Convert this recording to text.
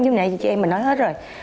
như chị em mình nói hết rồi